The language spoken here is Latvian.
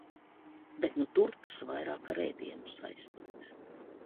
Bet nu tur tas vairāk ar ēdienu saistīts.